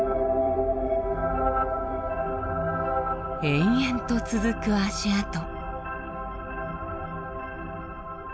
延々と続く足跡。